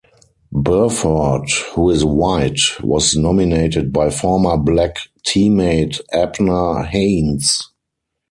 Burford, who is white, was nominated by former black teammate Abner Haynes.